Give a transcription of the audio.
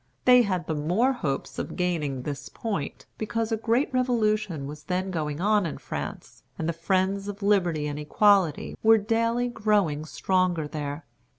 They had the more hopes of gaining this point, because a great Revolution was then going on in France, and the friends of liberty and equality were daily growing stronger there.